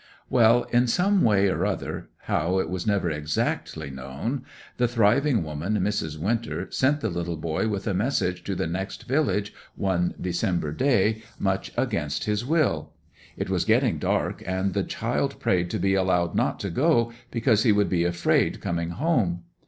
'Well, in some way or other—how, it was never exactly known—the thriving woman, Mrs. Winter, sent the little boy with a message to the next village one December day, much against his will. It was getting dark, and the child prayed to be allowed not to go, because he would be afraid coming home.